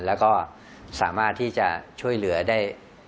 แล้วก็สามารถที่จะช่วยเหลือได้